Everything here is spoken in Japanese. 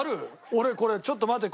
俺これちょっと待って。